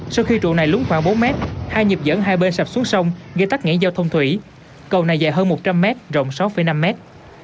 sau khi trụ này lúng khoảng bốn mét hai nhịp dẫn hai bên sập xuống sông gây tắc nghẽn giao thông thủy cầu này dài hơn một trăm linh mét rộng sáu năm mét